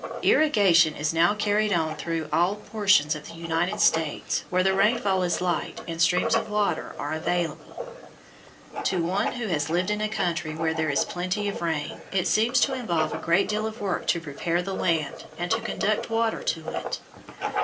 Irrigation is now carried on through all portions of the United States where the rainfall is light and streams of water are available. To one who has lived in a country where there is plenty of rain, it seems to involve a great deal of work to prepare the land and to conduct water to it.